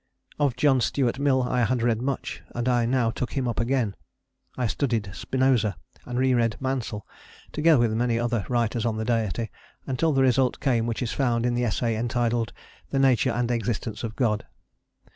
Of John Stuart Mill I had read much, and I now took him up again; I studied Spinoza, and re read Mansel, together with many other writers on the Deity, until the result came which is found in the essay entitled "The Nature and Existence of God